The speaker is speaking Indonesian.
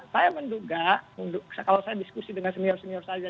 saya menduga kalau saya diskusi dengan senior senior saja